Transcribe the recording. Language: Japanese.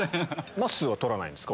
まっすーは取らないんですか？